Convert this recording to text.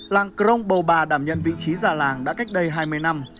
làng crong bầu bà đảm nhận vị trí già làng đã cách đây hai mươi năm